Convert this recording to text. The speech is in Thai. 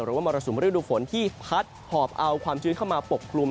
มรสุมฤดูฝนที่พัดหอบเอาความชื้นเข้ามาปกคลุม